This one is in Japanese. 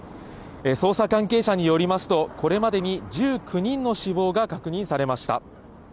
捜査関係者によりますと、これまでに１９人の死亡が確認されました。